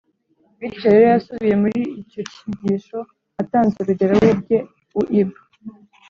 bityo rero yasubiye muri icyo cyigisho atanze urugero we ubwe uib